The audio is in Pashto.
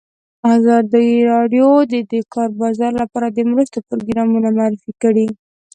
ازادي راډیو د د کار بازار لپاره د مرستو پروګرامونه معرفي کړي.